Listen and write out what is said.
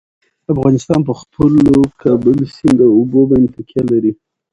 افغانستان په خپلو کابل سیند اوبو باندې تکیه لري.